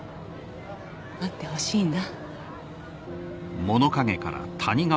会ってほしいんだ